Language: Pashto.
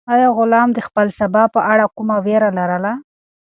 آیا غلام د خپل سبا په اړه کومه وېره لرله؟